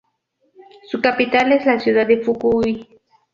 Su capital es la ciudad de Fukui.